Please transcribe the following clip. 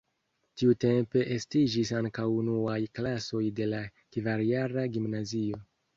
Tiutempe estiĝis ankaŭ unuaj klasoj de la kvarjara gimnazio.